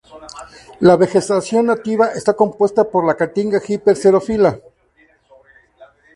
La vegetación nativa está compuesta por la caatinga hiper xerófila.